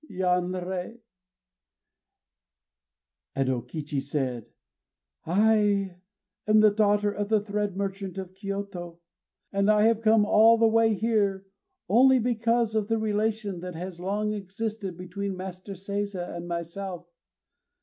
Yanrei! And O Kichi said: "I am the daughter of the thread merchant of Kyôto. And I have come all the way here only because of the relation that has long existed between Master Seiza and myself.